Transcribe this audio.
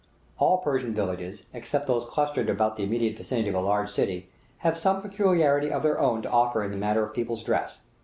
All Persian villages, except those clustered about the immediate vicinity of a large city, have some peculiarity of their own to offer in the matter of the people's dress.